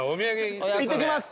いってきます。